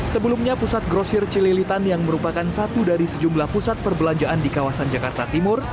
sebelumnya pusat grosir cililitan yang merupakan satu dari sejumlah pusat perbelanjaan di kawasan jakarta timur